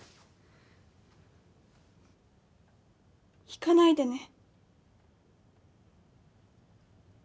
引かないでね